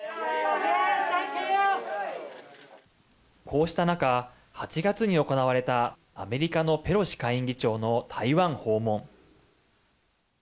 こうした中、８月に行われたアメリカのペロシ下院議長の台湾訪問。